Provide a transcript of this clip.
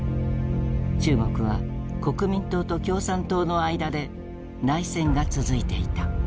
中国は国民党と共産党の間で内戦が続いていた。